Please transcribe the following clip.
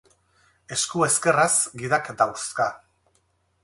Esku ezkerraz gidak dauzka.